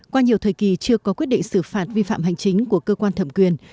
qua nhiều thời kỳ chưa có quyết định xử phạt vi phạm hành chính của cơ quan thẩm quyền